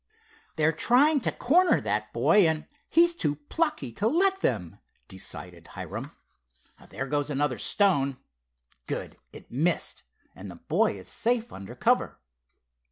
"They're trying to corner that boy, and he's too plucky to let them," decided Hiram. "There goes another stone. Good! it missed, and the boy is safe under cover."